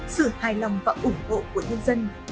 sự hài lòng và ủng hộ của nhân dân